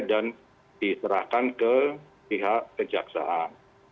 diterahkan ke pihak kejaksaan